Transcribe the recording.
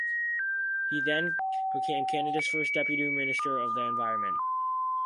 He then became Canada's first deputy minister of the environment.